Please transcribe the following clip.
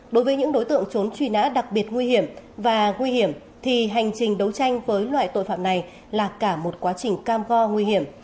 đối với những đối tượng trốn truy nã đặc biệt nguy hiểm và nguy hiểm thì hành trình đấu tranh với loại tội phạm này là cả một quá trình cam go nguy hiểm